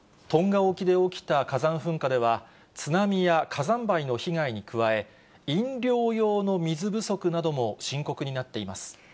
トンガ沖で起きた火山噴火では、津波や火山灰の被害に加え、飲料用の水不足なども深刻になっています。